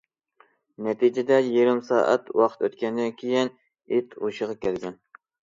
نەتىجىدە، يېرىم سائەت ۋاقىت ئۆتكەندىن كېيىن ئىت ھوشىغا كەلگەن.